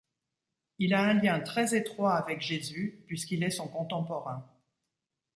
Il a un lien très étroit avec Jésus, puisqu'il est son contemporain.